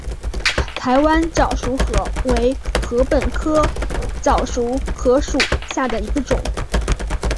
台湾早熟禾为禾本科早熟禾属下的一个种。